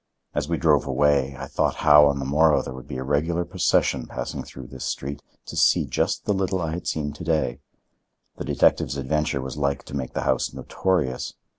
As we drove away, I thought how on the morrow there would be a regular procession passing through this street to see just the little I had seen to day. The detective's adventure was like to make the house notorious.